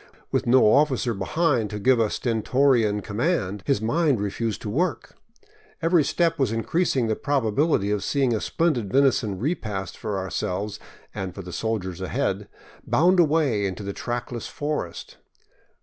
With no officer behind to give a stentorian com mand, his mind refused to work. Every step was increasing the probability of seeing a splendid venison repast for ourselves and for the soldiers ahead bound away into the trackless forest.